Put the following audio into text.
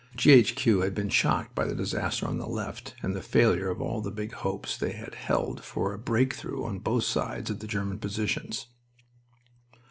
G. H. Q. had been shocked by the disaster on the left and the failure of all the big hopes they had held for a break through on both sides of the German positions.